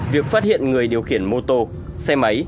việc phát hiện người điều khiển mô tô xe máy